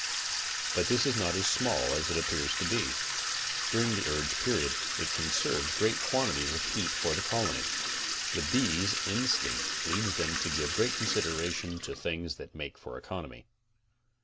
But this is not as small as it appears to be. During the urge period, it conserves great quan tities of heat for the colony. The bees' instinct leads them to give consideration to things that make for economy.